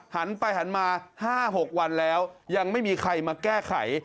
หันไปหันมา๕๖วันแล้วยังไม่มีใครมาแก้ไข